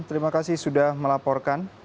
terima kasih sudah melaporkan